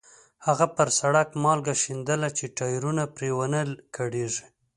هغه پر سړک مالګه شیندله چې ټایرونه پرې ونه کړېږي.